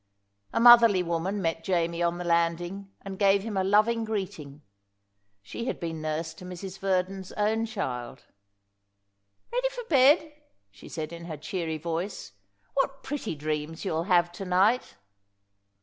A motherly woman met Jamie on the landing, and gave him a loving greeting. She had been nurse to Mrs. Verdon's own child. "Ready for bed?" she said in her cheery voice. "What pretty dreams you'll have to night!"